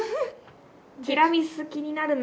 ティラミス気になるな。